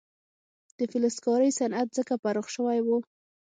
د فلزکارۍ صنعت ځکه پراخ شوی و.